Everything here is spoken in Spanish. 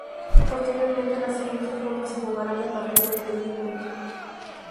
Posteriormente, las siguiente rondas se jugarán en partidos de ida y vuelta.